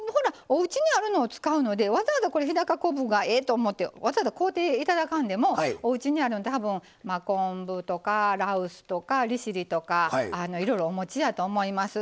おうちにあるのを使うのでわざわざこれ日高昆布がええと思ってわざわざ買うていただかんでもおうちにあるの多分羅臼とか利尻とかいろいろお持ちやと思います。